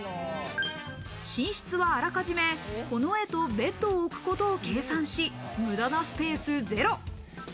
寝室はあらかじめ、この絵とベッドを置くことを計算し、無駄なスペース、ゼロ。